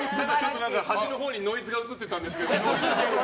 端のほうにノイズが映ってたんですけど。